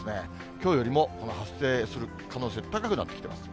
きょうよりも発生する可能性が高くなってきてます。